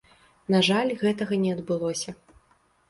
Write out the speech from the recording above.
На жаль, гэтага не адбылося.